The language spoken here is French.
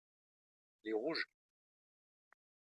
les rouges.